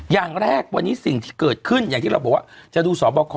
อย่างแรกวันนี้สิ่งที่เกิดขึ้นอย่างที่เราบอกว่าจะดูสอบคอ